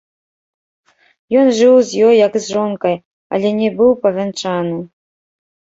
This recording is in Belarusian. Ён жыў з ёй як з жонкай, але не быў павянчаны.